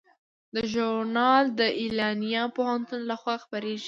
دا ژورنال د ایلینای پوهنتون لخوا خپریږي.